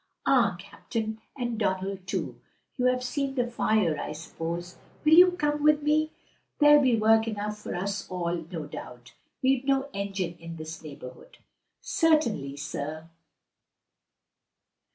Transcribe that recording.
Ah, captain! and Donald too! You have seen the fire, I suppose? Will you come with me? There'll be work enough for us all no doubt. We've no engine in this neighborhood." "Certainly, sir!"